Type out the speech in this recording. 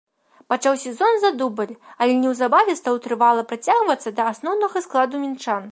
Пачаў сезон за дубль, але неўзабаве стаў трывала прыцягвацца да асноўнага складу мінчан.